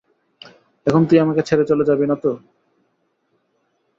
এখন তুই আমাকে ছেড়ে চলে যাবি না তো?